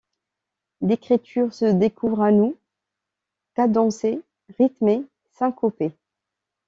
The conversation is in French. L’écriture se découvre à nous cadencée, rythmée, syncopée.